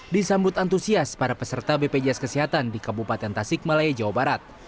disambut antusias para peserta bpjs kesehatan di kabupaten tasik malaya jawa barat